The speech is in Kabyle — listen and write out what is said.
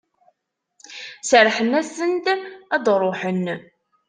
Serrḥen-asen-d ad d-ruḥen?